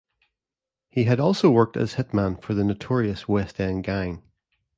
He had also worked as hitman for notorious West End Gang.